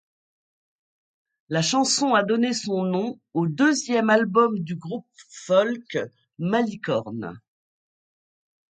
La chanson a donné son nom au deuxième album du groupe folk Malicorne.